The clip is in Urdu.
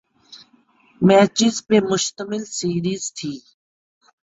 میچز پہ مشتمل سیریز تھی